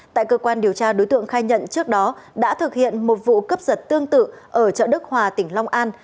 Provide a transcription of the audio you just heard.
tại cơ quan điều tra đối tượng khai nhận trước đó đã thực hiện một vụ cướp giật tương tự ở chợ đức hòa tỉnh long an